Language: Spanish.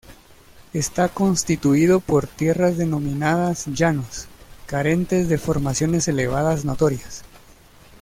Está constituido por tierras denominadas llanos, carentes de formaciones elevadas notorias.